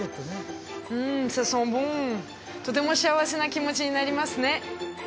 うんとても幸せな気持ちになりますね